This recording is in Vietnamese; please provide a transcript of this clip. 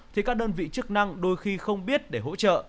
thì các đơn vị chức năng đôi khi không biết để hỗ trợ